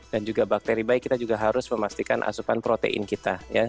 dan juga bakteri baik kita juga harus memastikan asupan protein kita